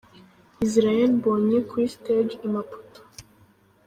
Israel Mbonyi kuri stage i Maputo.